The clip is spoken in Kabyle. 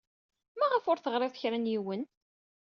Maɣef ur teɣriḍ i kra n yiwen?